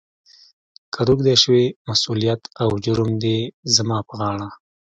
« کهٔ روږدی شوې، مسولیت او جرم یې زما پهٔ غاړه. »